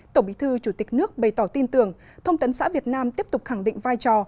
tổng bí thư chủ tịch nước bày tỏ tin tưởng thông tấn xã việt nam tiếp tục khẳng định vai trò